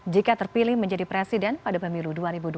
jika terpilih menjadi presiden pada pemilu dua ribu dua puluh